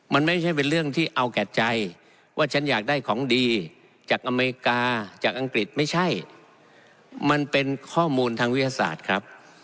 มันไม่ใช่เป็นเรื่องที่เอาแก่ใจว่าฉันอยากได้ของดีจากอเมริกาจากอังกฤษไม่ใช่มันเป็นข้อมูลทางวิทยาศาสตร์ครับ